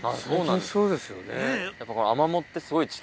最近そうですよね。